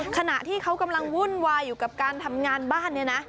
ขณะที่เขากำลังวุ่นวายอยู่กับการทำงานบ้านเนี่ยนะ